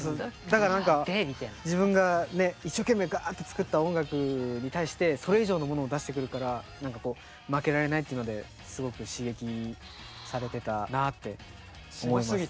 だから何か自分がねっ一生懸命ガーッて作った音楽に対してそれ以上のものを出してくるから何かこう負けられないっていうのですごく刺激されてたなあって思います。